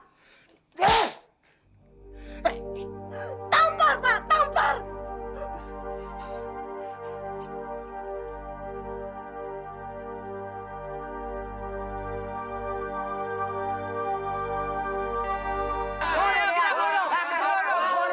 tampar pak tampar